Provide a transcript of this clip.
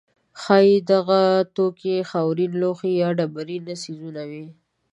ښایي دغه توکي خاورین لوښي یا ډبرین څیزونه وي.